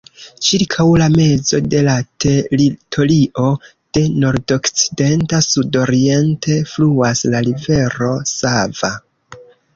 Ĉirkaŭ la mezo de la teritorio, de nordokcidenta sudoriente, fluas la rivero Sava.